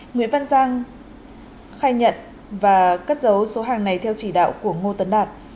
nguyễn văn giang khai nhận và cất dấu số hàng này theo chỉ đạo của ngô tấn đạt